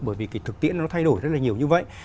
bởi vì cái thực tiễn nó thay đổi rất là nhiều như vậy